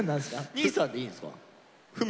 兄さんでいいんですか？